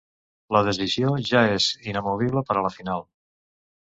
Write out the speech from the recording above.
La decisió ja és inamovible per a la final.